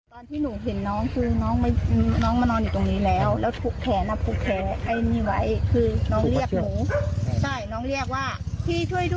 ตอนที่หนูเห็นน้องคือน้องมานอนอยู่ตรงนี้แล้วแล้วถูกแขนะถูกแขไอ้นี่ไว้คือน้องเรียกหนู